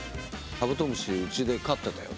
カブトムシうちで飼ってたよ。